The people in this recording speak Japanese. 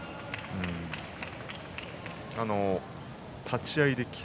立ち合いで霧